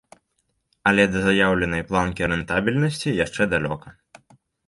Але да заяўленай планкі рэнтабельнасці яшчэ далёка.